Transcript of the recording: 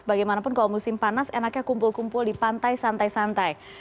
bagaimanapun kalau musim panas enaknya kumpul kumpul di pantai santai santai